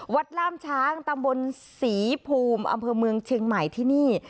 ล่ามช้างตำบลศรีภูมิอำเภอเมืองเชียงใหม่ที่นี่